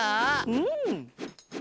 うん！